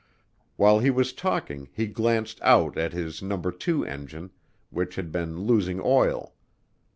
While he was talking he glanced out at his No. 2 engine, which had been losing oil.